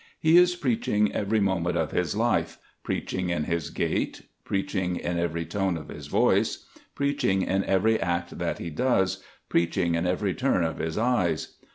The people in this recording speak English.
He is preaching every moment of his life, preaching in his gait, preaching in every tone of his voice, preaching in every act that he does, preaching in every turn of his eyes.